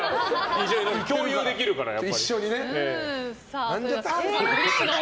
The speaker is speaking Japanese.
共有できるから、やっぱり。